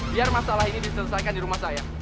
biar masalah ini diselesaikan di rumah saya